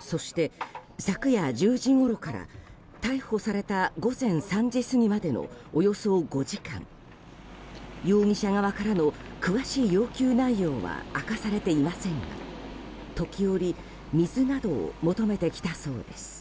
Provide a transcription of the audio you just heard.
そして、昨夜１０時ごろから逮捕された午前３時過ぎまでのおよそ５時間容疑者側からの詳しい要求内容は明かされていませんが時折、水などを求めてきたそうです。